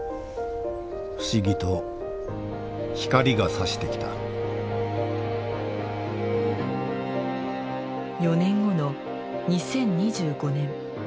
不思議と光がさしてきた４年後の２０２５年。